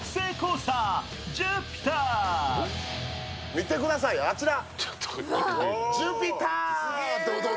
見てください、あちら。